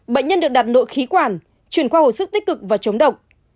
bệnh nhân được đặt nội khí quản chuyển khoa hồi sức tích cực và chống độc